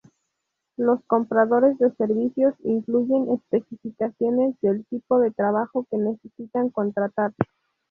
Los compradores de servicios incluyen especificaciones del tipo de trabajo que necesitan contratar.